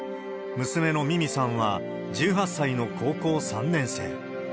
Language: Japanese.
娘の実弥さんは、１８歳の高校３年生。